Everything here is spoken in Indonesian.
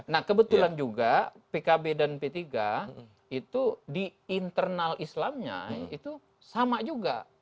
nah kebetulan juga pkb dan p tiga itu di internal islamnya itu sama juga